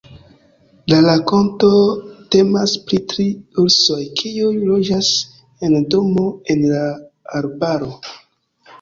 La rakonto temas pri tri ursoj kiuj loĝas en domo en la arbaro.